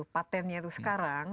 patentnya itu sekarang